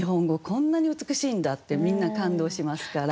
こんなに美しいんだってみんな感動しますから。